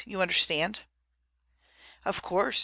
You understand?" "Of course.